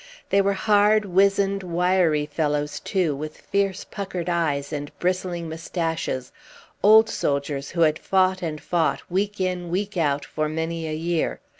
They were hard, wizened, wiry fellows too, with fierce puckered eyes and bristling moustaches, old soldiers who had fought and fought, week in, week out, for many a year.